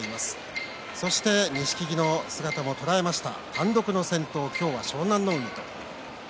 そして錦木の姿も捉えました。